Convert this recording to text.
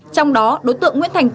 trong đó đối tượng nguyễn thành